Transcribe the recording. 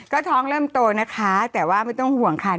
ก็ท้องเริ่มโตนะคะแต่ว่าไม่ต้องห่วงค่ะ